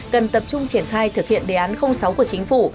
cần tập trung triển khai thực hiện đề án sáu của chính phủ